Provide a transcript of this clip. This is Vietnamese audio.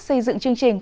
xây dựng chương trình